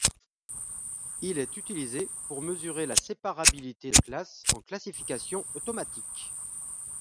Il est utilisé pour mesurer la séparabilité de classes en classification automatique.